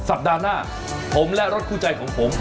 สัปดาห์หน้าผมและรถคู่ใจของผม